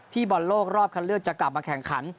บอลโลกรอบคันเลือกจะกลับมาแข่งขัน